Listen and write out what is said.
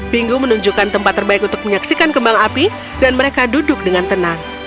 pinggu menunjukkan tempat terbaik untuk menyaksikan kembang api dan mereka duduk dengan tenang